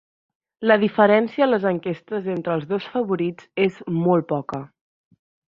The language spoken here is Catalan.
La diferència a les enquestes entre els dos favorits és molt poca